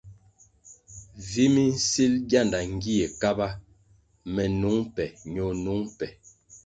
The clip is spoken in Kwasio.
Vi minsil gyanda gie Kaba, me nung be ño nung be.